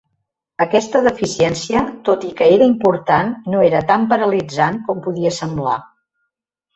Aquesta deficiència, tot i que era important, no era tan paralitzant com podia semblar.